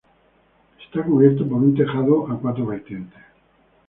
Está cubierto por un tejado a cuatro vertientes.